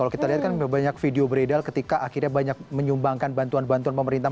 kalau kita lihat kan banyak video beredar ketika akhirnya banyak menyumbangkan bantuan bantuan pemerintah